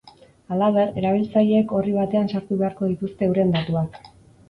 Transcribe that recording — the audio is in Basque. Halaber, erabiltzaileek orri batean sartu beharko dituzte euren datuak.